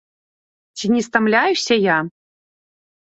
Ці не стамляюся я?